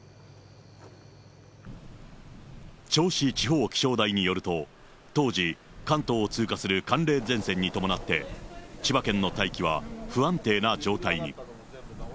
銚子地方気象台によると、当時、関東を通過する寒冷前線に伴って、千葉県の大気は不安定な状態に。